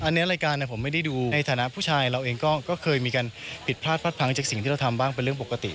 อันนี้รายการผมไม่ได้ดูในฐานะผู้ชายเราเองก็เคยมีการผิดพลาดพลัดพังจากสิ่งที่เราทำบ้างเป็นเรื่องปกติ